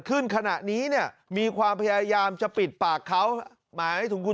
ขณะนี้เนี่ยมีความพยายามจะปิดปากเขาหมายถึงคุณ